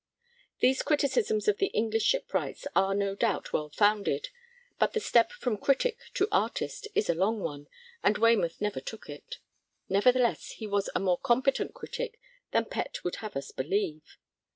These criticisms of the English shipwrights are no doubt well founded, but the step from critic to artist is a long one, and Waymouth never took it. Nevertheless he was a more competent critic than Pett would have us believe.